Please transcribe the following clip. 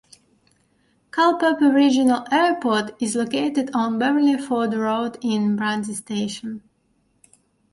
Culpeper Regional Airport is located on Beverly Ford Road in Brandy Station.